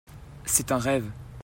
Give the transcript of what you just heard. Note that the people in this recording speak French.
C’est un rêve